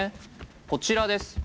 こちらです。